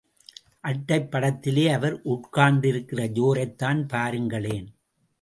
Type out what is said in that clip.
அட்டைப் படத்திலே அவர் உட்கார்ந்திருக்கிற ஜோரைத் தான் பாருங்களேன்.